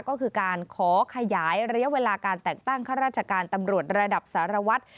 ก็คือการขอขยายระยะเวลาการแต่งตั้งข้าราชการตำรวจระดับสารวัตร